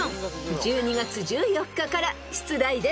［１２月１４日から出題です］